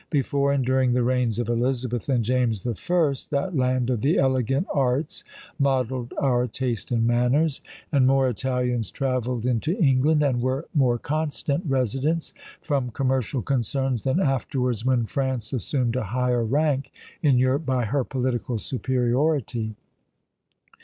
Before and during the reigns of Elizabeth and James the First that land of the elegant arts modelled our taste and manners: and more Italians travelled into England, and were more constant residents, from commercial concerns, than afterwards when France assumed a higher rank in Europe by her political superiority.